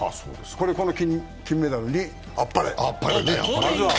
この金メダルにあっぱれ。